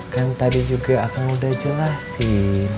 kan tadi juga akan udah jelasin